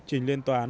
trình liên toán